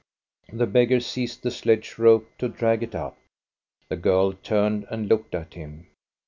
The beggar seized the sled rope to drag it up. The girl turned and looked at him.